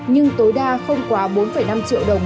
nhưng tối đa không quá bốn năm triệu đồng